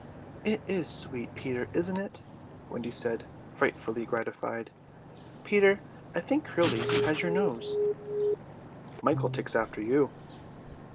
"It is sweet, Peter, isn't it?" Wendy said, frightfully gratified. "Peter, I think Curly has your nose." "Michael takes after you."